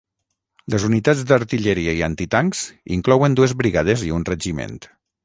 Les unitats d'artilleria i antitancs inclouen dues brigades i un regiment.